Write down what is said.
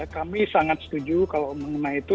kami sangat setuju kalau mengenai itu